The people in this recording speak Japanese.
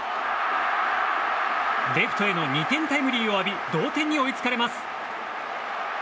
レフトへの２点タイムリーを浴び同点に追いつかれます。